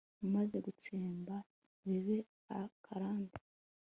Maze gutsemba bibe akarande